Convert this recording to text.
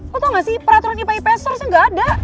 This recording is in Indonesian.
lo tau gak sih peraturan ipa ipa seharusnya gak ada